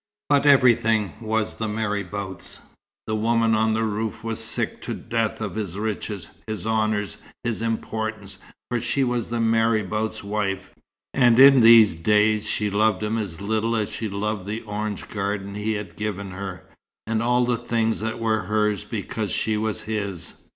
But everything was the marabout's. The woman on the roof was sick to death of his riches, his honours, his importance, for she was the marabout's wife; and in these days she loved him as little as she loved the orange garden he had given her, and all the things that were hers because she was his.